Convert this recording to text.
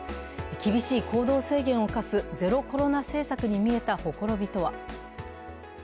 厳しい行動制限を課すゼロコロナ政策に見えたほころびとは？